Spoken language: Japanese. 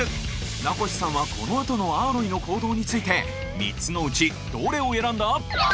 名越さんはこのあとのアーロイの行動について３つのうちどれを選んだ？